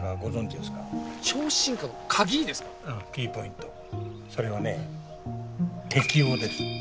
うんキーポイントそれはね適応です。